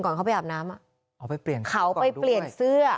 ก่อนเข้าไปอาบน้ำอะเขาไปเปลี่ยนเสื้อ